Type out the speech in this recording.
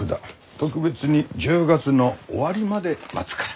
特別に１０月の終わりまで待つから。